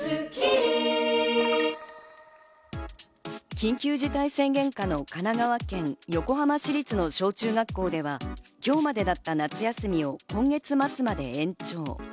緊急事態宣言下の神奈川県横浜市立の小中学校では、今日までだった夏休みを今月末まで延長。